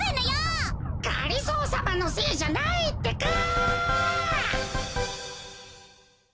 がりぞーさまのせいじゃないってか！